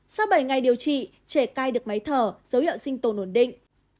sau bảy ngày điều trị trẻ cai được máy thở dấu hiệu sinh tồn ổn định